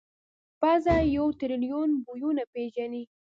پزه یو ټریلیون بویونه پېژني.